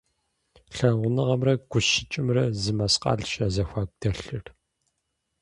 Лъагъуныгъэмрэ гущыкӏымрэ зы мэскъалщ я зэхуаку дэлъыр.